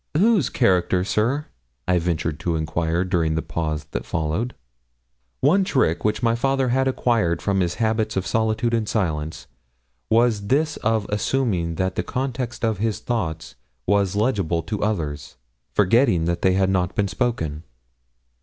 'Whose character, sir?' I ventured to enquire during the pause that followed. One trick which my father had acquired from his habits of solitude and silence was this of assuming that the context of his thoughts was legible to others, forgetting that they had not been spoken.